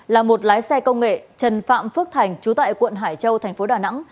là một lái xe công nghệ trần phạm phước thành chú tại quận hải châu thành phố đà nẵng